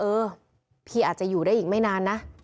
เออพี่อาจจะอยู่ได้อีกไม่นานนะ